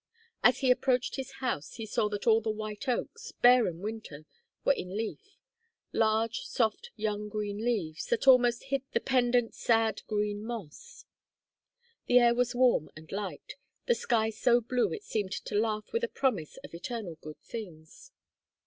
As he approached his house, he saw that all the white oaks, bare in winter, were in leaf; large soft young green leaves, that almost hid the pendent sad green moss. The air was warm and light, the sky so blue it seemed to laugh with a promise of eternal good things.